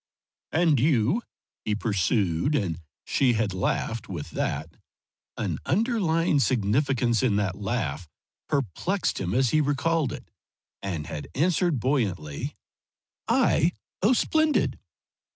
"And you?" he pursued, and she had laughed with that an underlying significance in that laugh perplexed him as he recalled it, and had answered buoyantly: "I? Oh, splendid!"